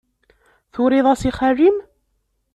Turiḍ-as i xali-m?